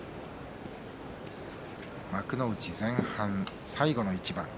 幕内前半、最後の一番です。